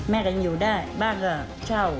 แม่ก็ยังอยู่ได้บ้านก็เช่า